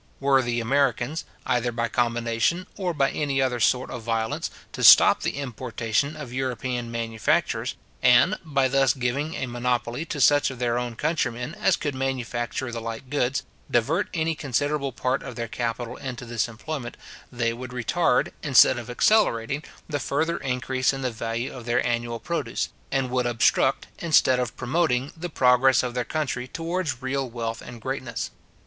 Were the Americans, either by combination, or by any other sort of violence, to stop the importation of European manufactures, and, by thus giving a monopoly to such of their own countrymen as could manufacture the like goods, divert any considerable part of their capital into this employment, they would retard, instead of accelerating, the further increase in the value of their annual produce, and would obstruct, instead of promoting, the progress of their country towards real wealth and greatness.